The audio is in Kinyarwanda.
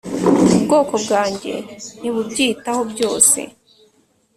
ubwoko bwanjye ntibubyitaho byose